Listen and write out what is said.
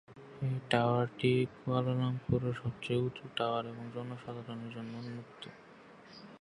এই টাওয়ারটি কুয়ালালামপুরের সবচেয়ে উঁচু টাওয়ার এবং জনসাধারণের জন্য উন্মুক্ত।